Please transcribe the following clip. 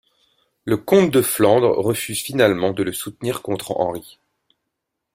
Le comte de Flandre refuse finalement de le soutenir contre Henri.